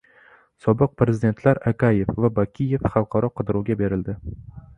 Sobiq prezidentlar Akayev va Bakiyev xalqaro qidiruvga berildi